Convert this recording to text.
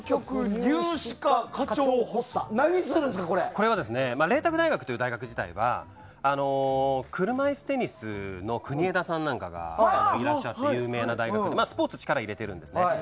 これは麗澤大学という大学自体は車いすテニスの国枝さんなどがいらっしゃって有名な大学でスポーツに力入れてるんですね。